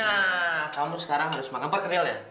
nah kamu sekarang harus makan part realnya